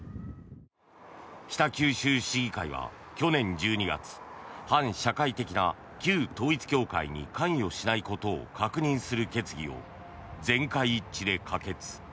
北九州市議会は去年１２月反社会的な旧統一教会に関与しないことを確認する決議を全会一致で可決。